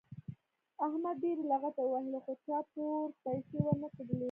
احمد ډېرې لغتې ووهلې خو چا پور پیسې ور نه کړلې.